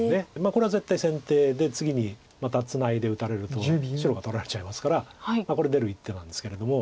これは絶対先手で次にまたツナいで打たれると白が取られちゃいますからこれ出る一手なんですけれども。